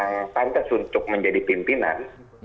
yang pantas untuk menjadi pimpinan